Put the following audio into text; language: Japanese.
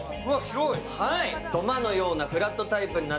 土間のようなフラットタイプにな